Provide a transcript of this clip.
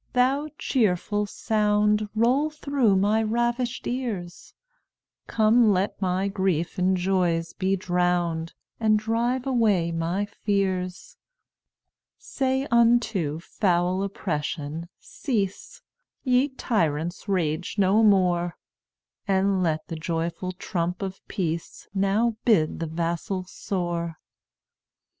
thou cheerful sound, Roll through my ravished ears; Come, let my grief in joys be drowned, And drive away my fears. "Say unto foul oppression, Cease! Ye tyrants, rage no more; And let the joyful trump of peace Now bid the vassal soar.